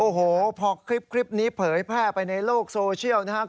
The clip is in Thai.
โอ้โหพอคลิปนี้เผยแพร่ไปในโลกโซเชียลนะครับ